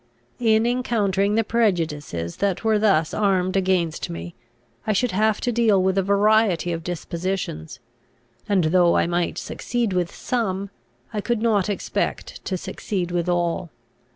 In encountering the prejudices that were thus armed against me, I should have to deal with a variety of dispositions, and, though I might succeed with some, I could not expect to succeed with all.